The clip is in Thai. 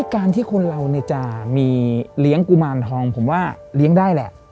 การที่คนเราจะมีเลี้ยงกุมารทองผมว่าเลี้ยงได้แหละ